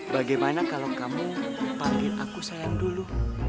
bagaimana kalau kamu panggil aku sayang dulu